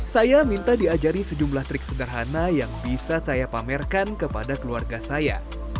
saya minta diajari sejumlah trik sederhana yang bisa saya pamerkan kepada keluarga saya